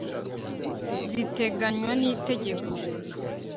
ziteganywa n itegeko